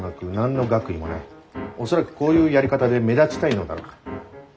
恐らくこういうやり方で目立ちたいのだろう。